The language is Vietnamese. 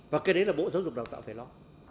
và cái đấy là bộ giáo dục đào tạo phải lo